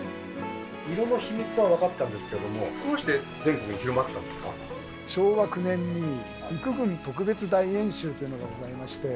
色の秘密は分かったんですけども昭和９年に陸軍特別大演習というのがございまして。